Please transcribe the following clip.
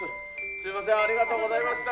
すみませんありがとうございました。